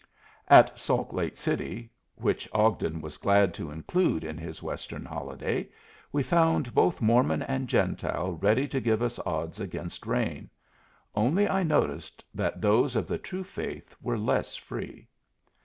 At Salt Lake City, which Ogden was glad to include in his Western holiday, we found both Mormon and Gentile ready to give us odds against rain only I noticed that those of the true faith were less free.